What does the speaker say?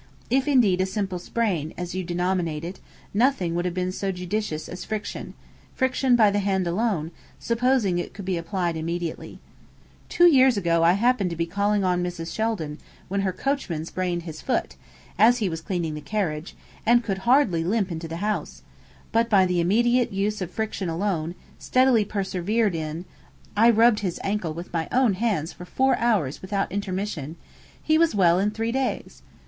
If indeed a simple sprain, as you denominate it, nothing would have been so judicious as friction friction by the hand alone, supposing it could be applied immediately. Two years ago I happened to be calling on Mrs. Sheldon, when her coachman sprained his foot, as he was cleaning the carriage, and could hardly limp into the house; but by the immediate use of friction alone, steadily persevered in (I rubbed his ancle with my own hands for four hours without intermission), he was well in three days.